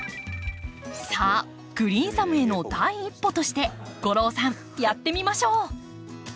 さあグリーンサムへの第一歩として吾郎さんやってみましょう！